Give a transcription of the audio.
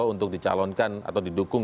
untuk dicalonkan atau didukung